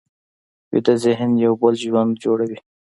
ویده ذهن یو بل ژوند جوړوي